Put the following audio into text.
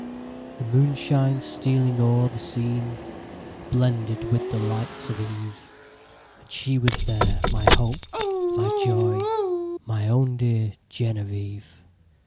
The moonshine stealing o'er the sceneHad blended with the lights of eve; And she was there, my hope, my joy, My own dear Genevieve!